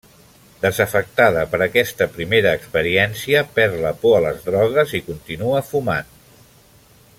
Desafectada per aquesta primera experiència, perd la por a les drogues i continua fumant.